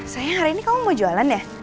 saya hari ini kamu mau jualan ya